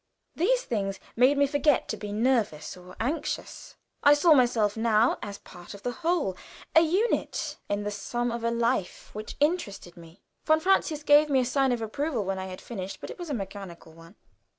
These things made me forget to be nervous or anxious. I saw myself now as part of the whole, a unit in the sum of a life which interested me. Von Francius gave me a sign of approval when I had finished, but it was a mechanical one.